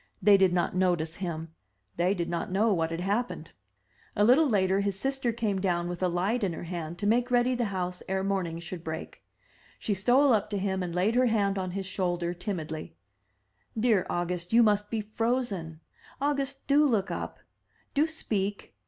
They did not notice him; they did not know what had happened. A little later his sister came down with a light in her hand to make ready the house ere morning should break. She stole up to him and laid her hand on his shoulder timidly. "Dear August, you must be frozen. August, do look up! do speak!